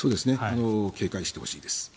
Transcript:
警戒してほしいです。